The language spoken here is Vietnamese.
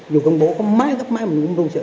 dù con bố có mái hoặc tóc mái mình cũng rung sợ